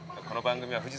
この番組は。